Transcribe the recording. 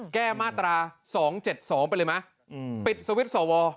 แก้มาตรา๒๗๒ไปเลยไหมปิดสวิตช์สว